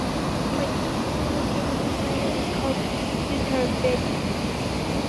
When King Kuru came on this land it was called Uttarvedi.